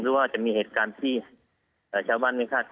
ว่าจะมีเหตุการณ์ที่ชาวบ้านไม่คาด